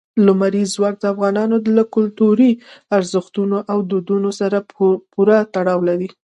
لمریز ځواک د افغانانو له کلتوري ارزښتونو او دودونو سره پوره تړاو لري.